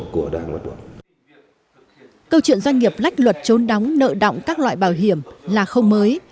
câu chuyện doanh nghiệp lách luật trốn đóng nợ động các loại bảo hiểm là không mới